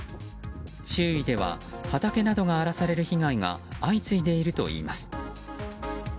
周囲では畑などが荒らされる被害が相次いでいるといいます。